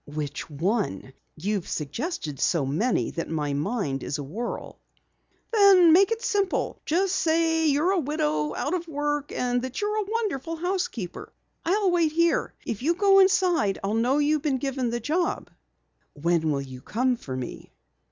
"Which one? You've suggested so many that my mind is a whirl." "Then make it simple. Just say you're a widow, out of work, and that you're a wonderful housekeeper. I'll wait here. If you go inside I'll know you've been given the job." "When will you come for me?"